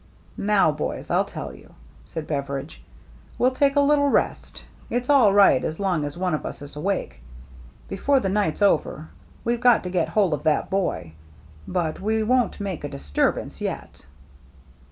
" Now, boys, I'll tell you," said Beveridge. "We'll take a little rest. It's all right as long as one of us is awake. Before the night's over we've got to get hold of that boy, but we won't make a disturbance yet."